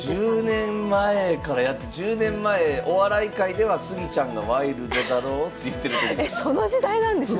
１０年前からやって１０年前お笑い界ではスギちゃんが「ワイルドだろ」って言ってる時です。